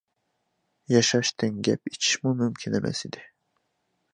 ياشاشتىن گەپ ئېچىشمۇ مۇمكىن ئەمەس ئىدى.